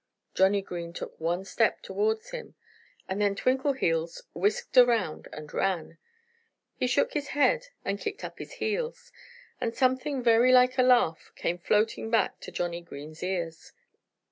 Johnnie Green took one step towards him. And then Twinkleheels whisked around and ran. He shook his head and kicked up his heels. And something very like a laugh came floating back to Johnnie Green's ears.